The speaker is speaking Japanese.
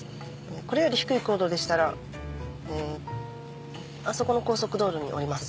これより低い高度でしたらあそこの高速道路に降ります。